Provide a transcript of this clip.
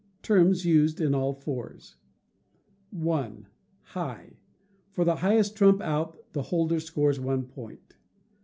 Terms used in All Fours. i. High. For the highest trump out, the holder scores one point.